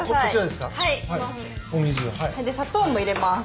で砂糖も入れます。